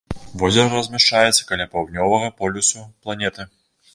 Возера размяшчаецца каля паўднёвага полюсу планеты.